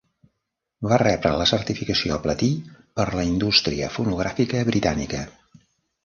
Va rebre la certificació platí per la indústria fonogràfica britànica.